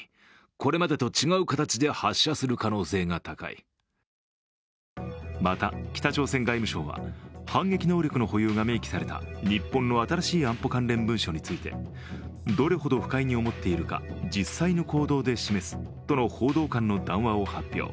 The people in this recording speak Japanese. ＪＮＮの取材に韓国政府関係者はまた、北朝鮮外務省は、反撃能力の保有が明記された日本の新しい安保関連文書についてどれほど不快に思っているか実際の行動で示すとの報道官の談話を発表。